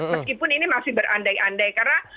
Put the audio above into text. meskipun ini masih berandai andai karena